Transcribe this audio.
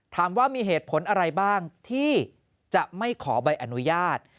ถามว่ามีเหตุผลอะไรบ้างที่จะไม่ขอใบอนุญาต